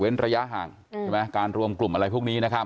เว้นระยะห่างการรวมกลุ่มอะไรพวกนี้นะครับ